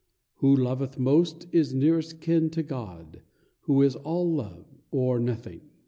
Who loveth most is nearest kin to God, Who is all Love, or Nothing.